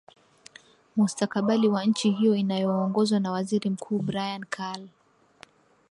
mustakabali wa nchi hiyo inayoongozwa na waziri mkuu brian carl